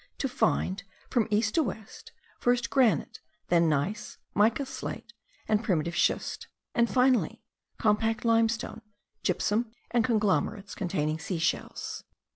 to find, from west to east, first granite, then gneiss, mica slate, and primitive schist; and finally, compact limestone, gypsum, and conglomerates containing sea shells.